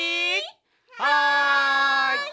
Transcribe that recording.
はい！